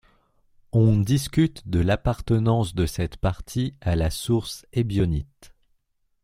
On discute de l'appartenance de cette partie à la source ébionite.